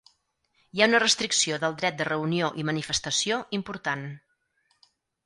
Hi ha una restricció del dret de reunió i manifestació important.